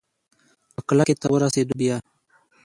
که کلکې ته ورسېدو بيا؟